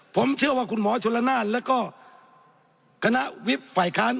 ผมเชื่อว่าคุณหมอชนละนานแล้วก็คณะวิบฝ่ายค้าน